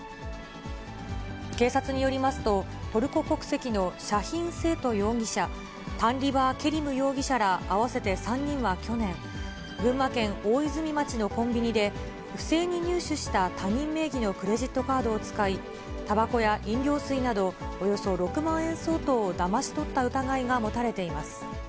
警察によりますと、トルコ国籍のシャヒン・セイト容疑者、タンリバー・ケリム容疑者ら合わせて３人は去年、群馬県大泉町のコンビニで、不正に入手した他人名義のクレジットカードを使い、たばこや飲料水などおよそ６万円相当をだまし取った疑いが持たれています。